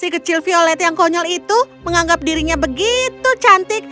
kecil violet yang konyol itu menganggap dirinya begitu cantik